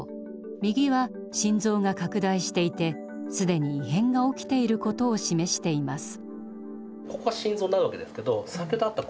右は心臓が拡大していて既に異変が起きていることを示しています。